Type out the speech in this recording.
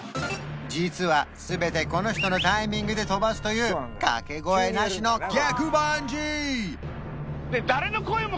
実は全てこの人のタイミングで飛ばすという掛け声なしの逆バンジー！